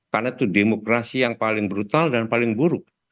karena itu demokrasi yang paling brutal dan paling buruk